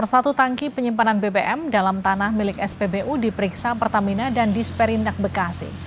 satu tangki penyimpanan bbm dalam tanah milik spbu diperiksa pertamina dan disperindak bekasi